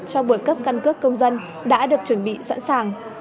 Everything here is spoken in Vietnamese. cho buổi cấp căn cước công dân đã được chuẩn bị sẵn sàng